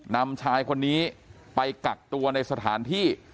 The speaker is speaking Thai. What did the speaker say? นำชายคนนี้ไปกักตัวในสถานที่